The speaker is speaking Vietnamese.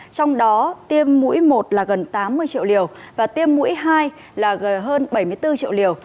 trong đó tiêm mũi một là gần tám mươi triệu liều và tiêm mũi hai là gần hơn bảy mươi bốn triệu liều